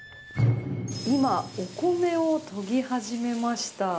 今、お米をとぎ始めました。